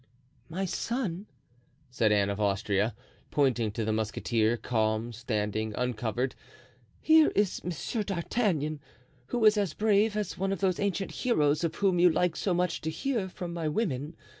"My son," said Anne of Austria, pointing to the musketeer, calm, standing uncovered, "here is Monsieur d'Artagnan, who is as brave as one of those ancient heroes of whom you like so much to hear from my women.